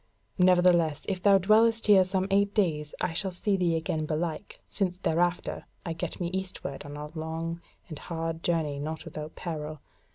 Nevertheless, if thou dwellest here some eight days I shall see thee again belike, since thereafter I get me eastward on a hard and long journey not without peril.